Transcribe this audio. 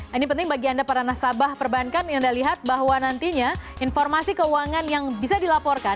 ini penting bagi anda para nasabah perbankan yang anda lihat bahwa nantinya informasi keuangan yang bisa dilaporkan